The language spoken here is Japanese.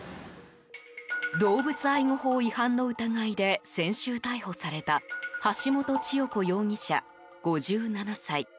動物愛護法違反の疑いで先週、逮捕された橋本千代子容疑者、５７歳。